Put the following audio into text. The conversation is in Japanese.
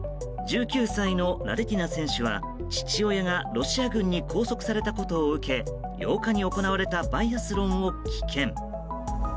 １９歳のラレティナ選手は父親がロシア軍に拘束されたことを受け８日に行われたバイアスロンを棄権。